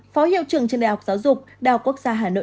phó hiệu trưởng trên đại học giáo dục đh hà nội